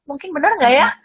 mungkin bener gak ya